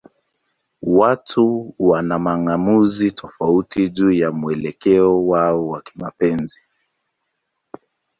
Watu wana mang'amuzi tofauti juu ya mwelekeo wao wa kimapenzi.